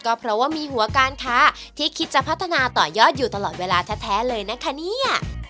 ก็เพราะว่ามีหัวการค้าที่คิดจะพัฒนาต่อยอดอยู่ตลอดเวลาแท้เลยนะคะเนี่ย